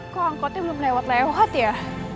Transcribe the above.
kok angkotnya belum lewat lewat ya